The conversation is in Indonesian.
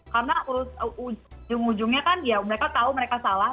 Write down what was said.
karena ujung ujungnya kan ya mereka tahu mereka salah